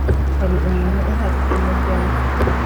'hari umuntu uhari?' umugenzi,